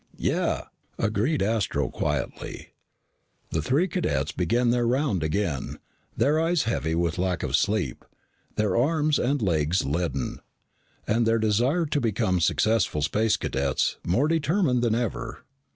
"Yeah," agreed Astro quietly. The three cadets began their round again, their eyes heavy with lack of sleep, their arms and legs leaden, and their desire to become successful Space Cadets more determined than ever.